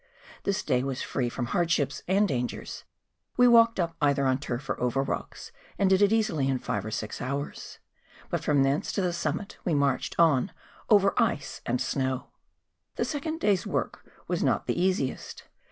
This day 'was free from hardships and dangers: we walked up either on turf or over rocks, and did it easily in five or six hours. But from thence to the summit we marched on over ice and snow. The second day's work was not the easiest.